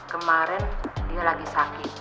kemarin dia lagi sakit